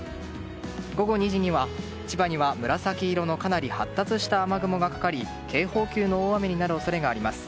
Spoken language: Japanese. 午後２時には千葉には紫色のかなり発達した雨雲がかかり警報級の大雨になる恐れがあります。